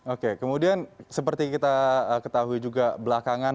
oke kemudian seperti kita ketahui juga belakangan